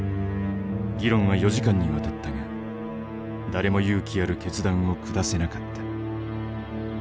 議論は４時間にわたったが誰も勇気ある決断を下せなかった。